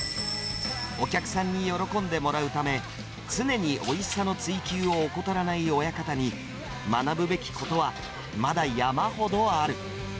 お客さんに喜んでもらうため、常においしさの追求を怠らない親方に、学ぶべきことはまだ山ほどある。